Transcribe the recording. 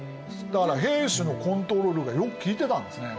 だから平氏のコントロールがよくきいてたんですね。